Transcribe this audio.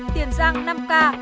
tiền giang năm ca